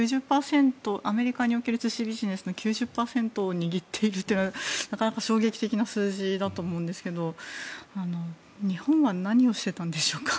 アメリカにおける寿司ビジネスの９０％を握っているというのはなかなか衝撃的な数字だと思うんですけど日本は何をしてたんでしょうか。